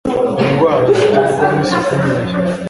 indwara ziterwa n'isuku nkeya